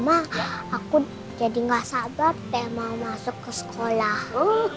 mah aku jadi gak sabar deh mau masuk ke sekolah